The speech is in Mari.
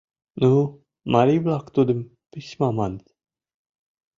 Ну, марий-влак тудым «письма» маныт.